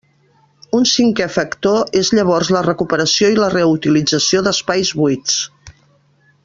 Un cinqué factor és llavors la recuperació i la reutilització d'espais buits.